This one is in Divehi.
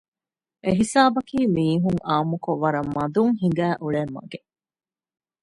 އެހިސާބަކީ މީހުން އާންމުކޮށް ވަރަށް މަދުން ހިނގައި އުޅޭ މަގެއް